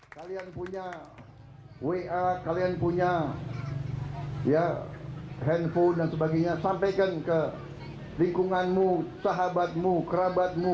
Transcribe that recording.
kalian punya wa kalian punya handphone dan sebagainya sampaikan ke lingkunganmu sahabatmu kerabatmu